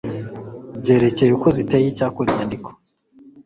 byerekeye uko ziteye Icyakora inyandiko